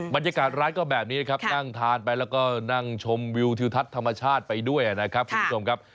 บรรยากาศร้านก็แบบนี้นะครับนั่งทานไปแล้วก็นั่งชมวิวทิวทัศน์ธรรมชาติไปด้วยนะครับคุณผู้ชมครับ